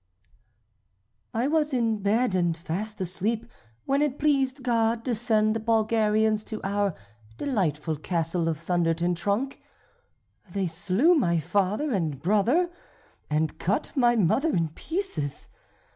"I was in bed and fast asleep when it pleased God to send the Bulgarians to our delightful castle of Thunder ten Tronckh; they slew my father and brother, and cut my mother in pieces.